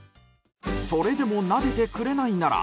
それでもなでてくれないなら。